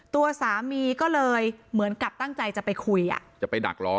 ตัวสามีก็เลยเหมือนกับตั้งใจจะไปคุยอ่ะจะไปดักล้อ